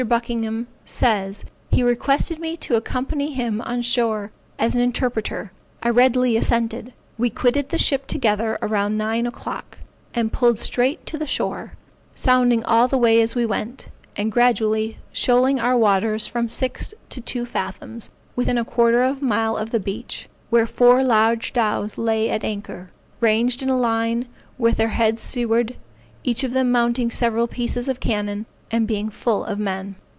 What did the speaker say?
Buckingham (says,) He requested me to accompany him on shore as an interpreter. I readily assented. We quitted the ship together about 9 o'clock, and pulled straight to the shore, sounding all the way as we went, and gradually shoaling our water from six to two fathoms, within a quarter of a mile of the beach, where four large dows lay at anchor, ranged in a line, with their heads seaward, each of them mounting several pieces of cannon, and being full of men.